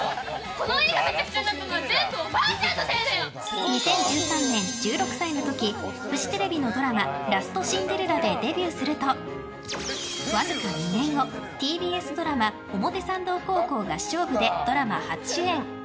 この家がめちゃくちゃになったのは２０１３年、１６歳の時フジテレビのドラマ「ラスト・シンデレラ」でデビューするとわずか２年後、ＴＢＳドラマ「表参道高校合唱部！」でドラマ初主演。